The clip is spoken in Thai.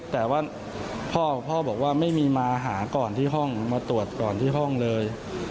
แต่ว่าพ่อพ่อบอกว่าไม่มีมาหาก่อนที่ห้องมาตรวจก่อนที่ห้องเลย